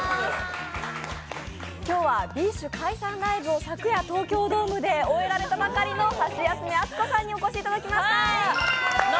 今日はＢｉＳＨ解散ライブを昨夜、東京ドームで終えられたばかりのハシヤスメ・アツコさんにお越しいただきました。